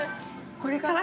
これかな？